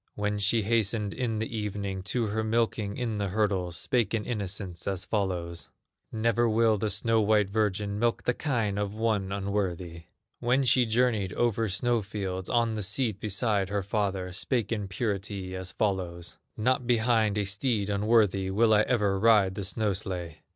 When she hastened in the evening To her milking in the hurdles, Spake in innocence as follows: "Never will the snow white virgin Milk the kine of one unworthy!" When she journeyed over snow fields, On the seat beside her father, Spake in purity as follows: "Not behind a steed unworthy Will I ever ride the snow sledge!"